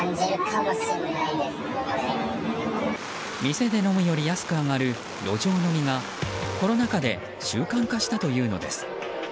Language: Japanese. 店で飲むより安く上がる路上飲みがコロナ禍で習慣化したというのです。